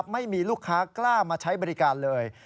ไม่มีลูกค้ากล้ามาใช้บริการเลย